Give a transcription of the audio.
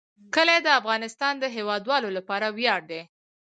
کلي د افغانستان د هیوادوالو لپاره ویاړ دی.